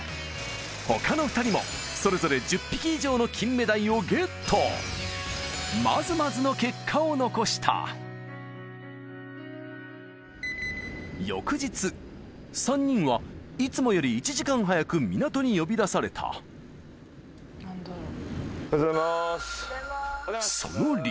他の２人もそれぞれ１０匹以上のキンメダイをゲットまずまずの結果を残した翌日３人はいつもより１時間早く港に呼び出されたおはようございます。